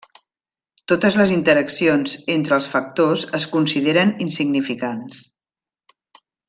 Totes les interaccions entre els factors es consideren insignificants.